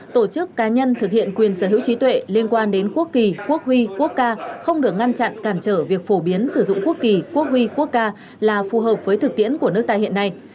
tổ chức cá nhân thực hiện quyền sở hữu trí tuệ liên quan đến quốc kỳ quốc huy quốc ca không được ngăn chặn cản trở việc phổ biến sử dụng quốc kỳ quốc huy quốc ca là phù hợp với thực tiễn của nước ta hiện nay